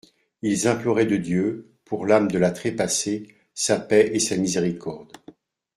Ils imploraient de Dieu, pour l'âme de la trépassée, sa paix et sa miséricorde.